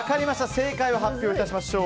正解を発表いたしましょう。